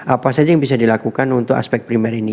apa saja yang bisa dilakukan untuk aspek primer ini